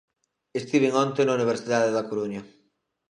Estiven onte na Universidade da Coruña.